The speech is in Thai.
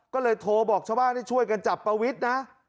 ก็เลยโทรบอกชาวบ้านให้ช่วยกันจับประวิทย์นะ